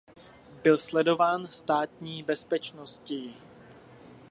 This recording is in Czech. Byl sledován Státní bezpečností.